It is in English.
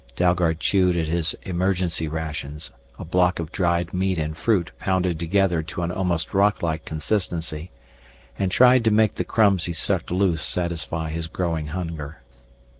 Dalgard chewed at his emergency rations, a block of dried meat and fruit pounded together to an almost rocklike consistency, and tried to make the crumbs he sucked loose satisfy his growing hunger.